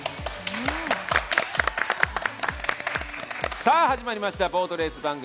さぁ、始まりました、ボートレース番組。